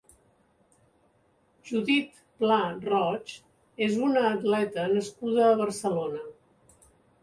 Judit Pla Roig és una atleta nascuda a Barcelona.